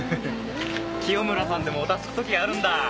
清村さんでもおたつくときがあるんだ。